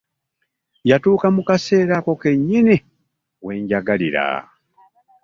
Yatuukira mu kaseera ako kennyini wenjagalira.